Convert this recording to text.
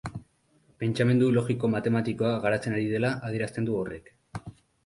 Pentsamendu logiko-matematikoa garatzen ari dela adierazten du horrek.